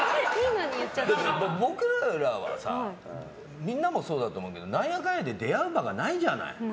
僕らはさみんなもそうだと思うけどなんやかんやで出会う場がないじゃない。